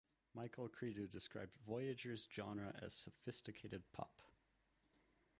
Michael Cretu described "Voyageur"'s genre as "sophisticated pop".